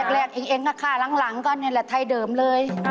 แรกเองค่ะหลังก็นี่แหละไทยเดิมเลย